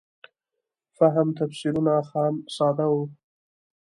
فهم تفسیرونه خام ساده وو.